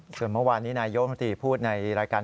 ส่วนเมื่อวานนี้นายโยธิพูดในรายการ